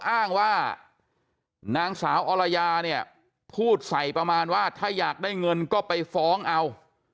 อ้างว่านางสาวอรยาเนี่ยพูดใส่ประมาณว่าถ้าอยากได้เงินก็ไปฟ้องเอา